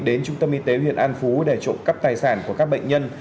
đến trung tâm y tế huyện an phú để trộm cắp tài sản của các bệnh nhân